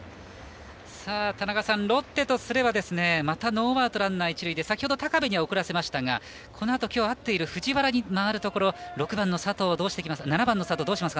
田中さんロッテとすれば、またノーアウトランナー一塁で先ほどは高部に送らせましたがこのあと合っている藤原に回るところ７番の佐藤をどうしますかね。